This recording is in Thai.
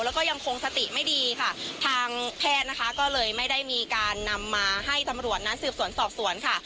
แล้วก็ยังคงสติไม่ดีค่ะทางแพทย์นะคะก็เลยไม่ได้มีการนำมาให้ตำรวจนั้นสืบสวนสอบสวนค่ะ